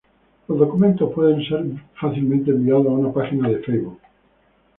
Los documentos pueden ser fácilmente enviados a una página de Facebook.